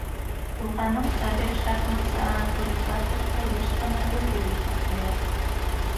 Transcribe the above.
Туғаным Сабир шахматсы Анатолий Карповты йыш ҡына өлгө итеп ҡуя.